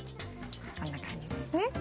こんな感じですね。